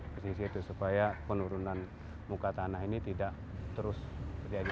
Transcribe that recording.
persis itu supaya penurunan muka tanah ini tidak terus jadi